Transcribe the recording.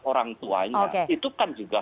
orang tuanya itu kan juga